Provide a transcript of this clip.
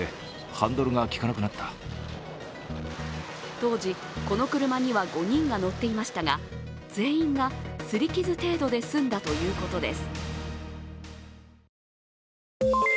当時、この車には５人が乗っていましたが全員がすり傷程度で済んだということです。